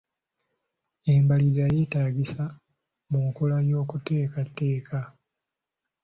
Embalirira yeetaagisa mu nkola y'okuteekateeka.